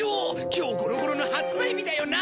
今日『ゴロゴロ』の発売日だよな？